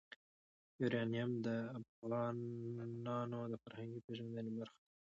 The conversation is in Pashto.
یورانیم د افغانانو د فرهنګي پیژندنې برخه ده.